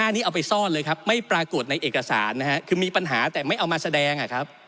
๖๕นี้เอาไปซ่อนเลยไม่ปรากฏในเอกสารคือมีปัญหาแต่ไม่เอามาแสดง